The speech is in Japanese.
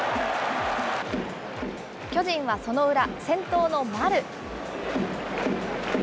巨人はその裏、先頭の丸。